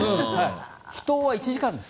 秘湯は１時間です。